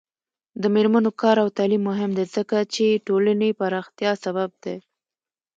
د میرمنو کار او تعلیم مهم دی ځکه چې ټولنې پراختیا سبب دی.